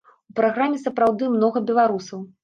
У праграме сапраўды многа беларусаў.